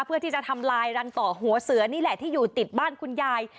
เพื่อที่จะทำลายรังต่อหัวเสือนี่แหละที่อยู่ติดบ้านคุณยาย